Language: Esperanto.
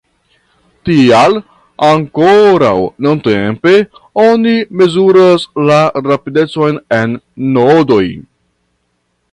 Tial ankoraŭ nuntempe oni mezuras la rapidecon en nodoj.